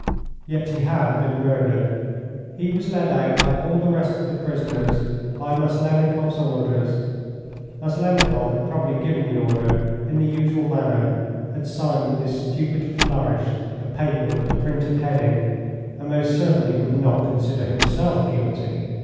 Yet he had been murdered. He was led out like all the rest of the prisoners by Maslennikoff's orders. Maslennikoff had probably given the order in the usual manner, had signed with his stupid flourish the paper with the printed heading, and most certainly would not consider himself guilty.